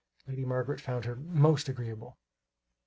Lady Margaret found her "most agreeable."